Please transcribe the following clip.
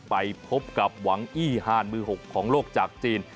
ไปพบกับหวังอี้ฮานมือ๖ของโลกจากจีน